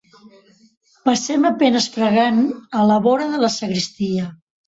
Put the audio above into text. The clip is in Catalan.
Passem a penes fregant, a la vora de la sagristia.